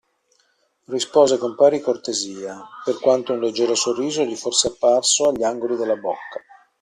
Rispose con pari cortesia, per quanto un leggero sorriso gli fosse apparso agli angoli della bocca.